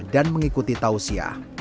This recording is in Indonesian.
dan mengikuti tausiah